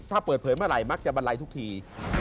ถ้าเปิดเผยมาลัยมักจะบรรลัยทุกที